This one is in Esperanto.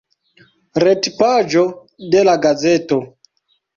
Retpaĝo de la gazeto.